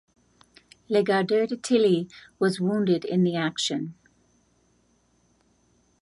Le Gardeur de Tilly was wounded in the action.